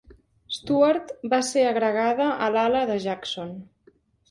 Stuart va ser agregada a l'ala de Jackson.